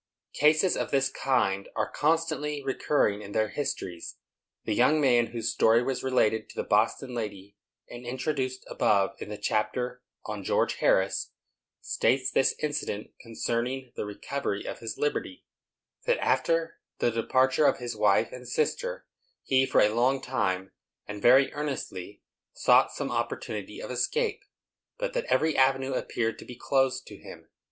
Cases of this kind are constantly recurring in their histories. The young man whose story was related to the Boston lady, and introduced above in the chapter on George Harris, stated this incident concerning the recovery of his liberty: That, after the departure of his wife and sister, he, for a long time, and very earnestly, sought some opportunity of escape, but that every avenue appeared to be closed to him.